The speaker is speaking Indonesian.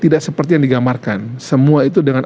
tidak seperti yang digambarkan semua itu dengan